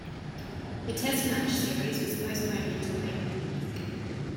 The Test match series was postponed until April.